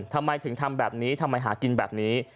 ทำไมถึงทำแบบนี้ทำไมหากินแบบนี้